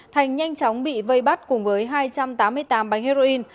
thành nhanh chóng bị vây bắt cùng với hai trăm tám mươi tám bánh heroin